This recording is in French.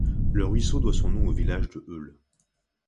Le ruisseau doit son nom au village de Heule.